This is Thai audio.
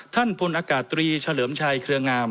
ท่านพลอากาศตรีเฉลิมชัยเครืองาม